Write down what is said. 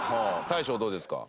大昇どうですか？